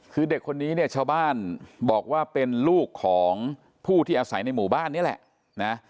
คือเด็กคนนี้เนี่ยชาวบ้านบอกว่าเป็นลูกของผู้ที่อาศัยในหมู่บ้านนี่แหละนะ